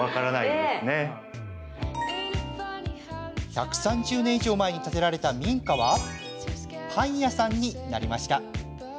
１３０年以上前に建てられた民家はパン屋さんになりました。